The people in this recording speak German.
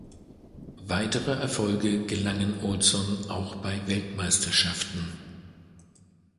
Weitere Erfolge gelangen Olsson auch bei Weltmeisterschaften.